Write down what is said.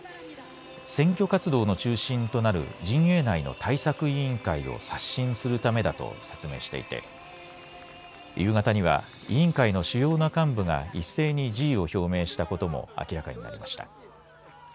選挙活動の中心となる陣営内の対策委員会を刷新するためだと説明していて夕方には委員会の主要な幹部が一斉に辞意を表明したことも明らかにしました。